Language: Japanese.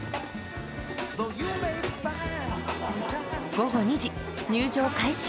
午後２時入場開始。